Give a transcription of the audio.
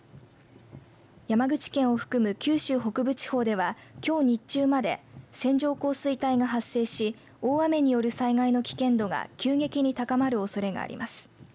山口県を含む九州北部地方ではきょう日中まで線状降水帯が発生し大雨による災害の危険度が急激に高まるおそれがあります。